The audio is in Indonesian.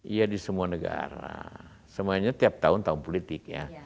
iya di semua negara semuanya tiap tahun tahun politik ya